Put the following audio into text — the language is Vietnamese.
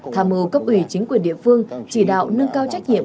thảm ưu cấp ủy chính quyền địa phương chỉ đạo nâng cao trách nhiệm